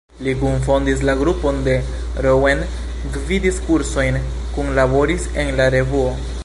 Li kunfondis la grupon de Rouen, gvidis kursojn, kunlaboris en la Revuo.